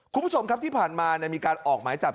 คุณผู้ชมครับที่ผ่านมามีการออกหมายจับ